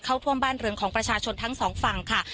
เข้าท่วมบ้านเรือนของประชาชนทั้งสองฝั่งค่ะ